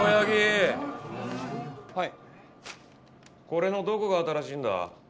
これのどこが新しいんだ？